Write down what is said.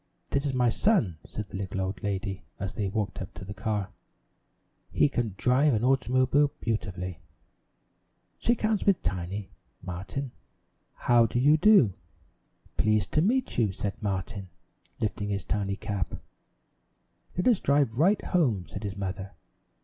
"This is my son," said the little old lady, as they walked up to the car. "He can drive an automobile beautifully. Shake hands with Tiny, Martin." "How do you do?" "Pleased to meet you," said Martin, lifting his tiny cap. "Let us drive right home," said his mother.